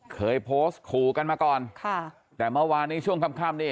เคยโพสขู่กันมาก่อนแต่เมื่อวานจบกล้อม